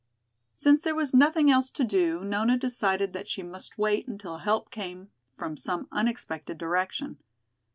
Since there was nothing else to do, Nona decided that she must wait until help came from some unexpected direction.